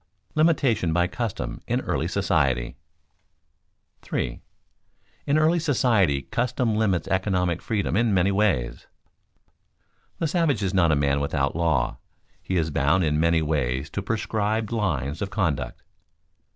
[Sidenote: Limitation by custom in early society] 3. In early society custom limits economic freedom in many ways. The savage is not a man without law; he is bound in many ways to prescribed lines of conduct.